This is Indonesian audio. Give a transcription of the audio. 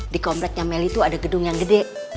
di komretnya meli tuh ada gedung yang gede